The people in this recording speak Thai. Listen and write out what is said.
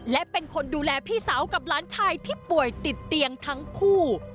และเป็นคนดูแลพี่สาวกับหลานชายที่ป่วยติดเตียงทั้งคู่